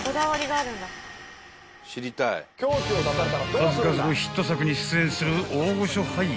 ［数々のヒット作に出演する大御所俳優］